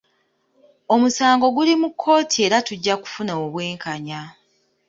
Omusango guli mu kkooti era tujja kufuna obwenkanya.